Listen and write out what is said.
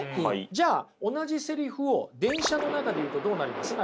じゃあ同じセリフを電車の中で言うとどうなりますか？